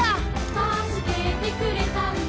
「たすけてくれたんだ」